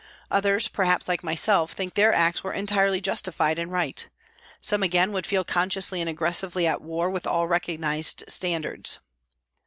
Others, perhaps, like myself, think their acts were entirely justified and right ; some, again, would feel consciously and aggressively at war with all recognised standards.